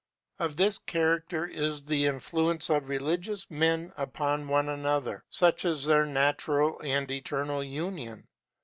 Of this character is the influence of religious men upon one another; such is their natural and eternal union.